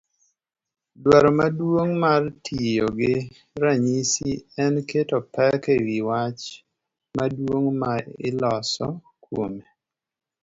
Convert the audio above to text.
Dwaro maduong' mar tiyogi ranyisi en keto pek ewi wach maduong' ma iloso kuome.